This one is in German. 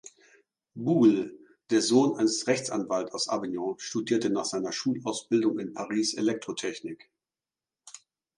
Boulle, der Sohn eines Rechtsanwalts aus Avignon, studierte nach seiner Schulausbildung in Paris Elektrotechnik.